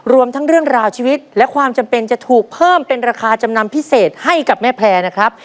รวมทั้งเรื่องราวชีวิตและความจำเป็นจะถูกเพิ่มเป็นราคาจำนำพิเศษให้กับแม่แพร่นะครับ